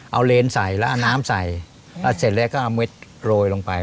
เอาเลนใส่แล้วเอาน้ำใส่แล้วเสร็จแล้วก็เอาเม็ดโรยลงไป